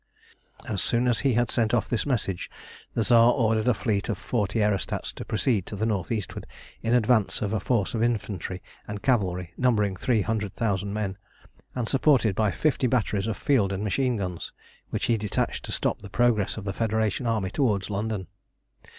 As soon as he had sent off this message, the Tsar ordered a fleet of forty aerostats to proceed to the north eastward, in advance of a force of infantry and cavalry numbering three hundred thousand men, and supported by fifty batteries of field and machine guns, which he detached to stop the progress of the Federation army towards London.